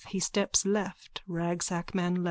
He steps left, ragsackman left.)